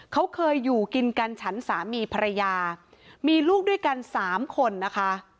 เขาเคยอยู่กินกันฉันสามีภรรยามีลูกด้วยกันสามคนนะคะ